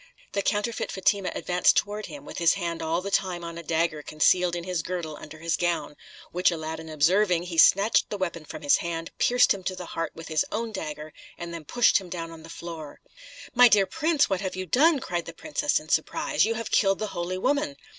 The counterfeit Fatima advanced toward him, with his hand all the time on a dagger concealed in his girdle under his gown; which Aladdin observing, he snatched the weapon from his hand, pierced him to the heart with his own dagger, and then pushed him down on the floor. "My dear prince, what have you done?" cried the princess in surprise. "You have killed the holy woman!"